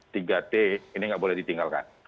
tiga t ini tidak boleh ditinggalkan